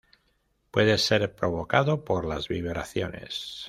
Puede ser provocado por las vibraciones.